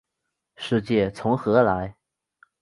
世界从何来？